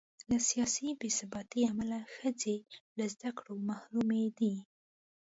له سیاسي بې ثباتۍ امله ښځې له زده کړو محرومې دي.